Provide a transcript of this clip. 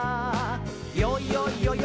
「よいよいよよい